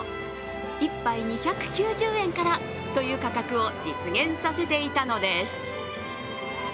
１杯２９０円からという価格を実現させていたのです。